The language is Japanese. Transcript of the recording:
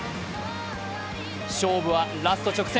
勝負はラスト直線。